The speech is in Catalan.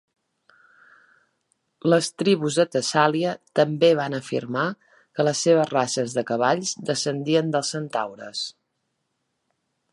Les tribus de Tessàlia també van afirmar que les seves races de cavalls descendien dels centaures.